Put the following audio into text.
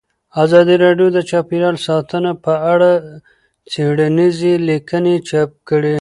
ازادي راډیو د چاپیریال ساتنه په اړه څېړنیزې لیکنې چاپ کړي.